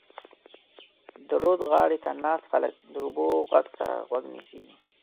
د رود غاړې ته ناست خلک د اوبو غږ ته غوږ نیسي.